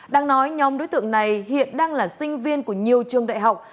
đang nói nhóm đối tượng này hiện đang là sinh viên của nhiều trường đại học